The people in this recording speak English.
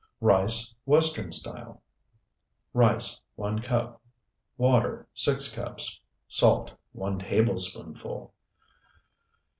RICE (WESTERN STYLE) Rice, 1 cup. Water, 6 cups. Salt, 1 tablespoonful.